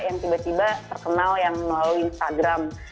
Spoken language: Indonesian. yang tiba tiba terkenal yang melalui instagram